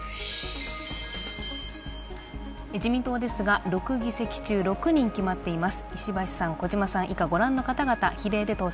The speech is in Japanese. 自民党ですが、６議席中６人が決まっています。